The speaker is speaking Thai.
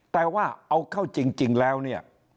แต่ว่าเอาเข้าจริงแล้วเนี่ย